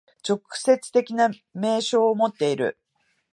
直接的な明証をもっている。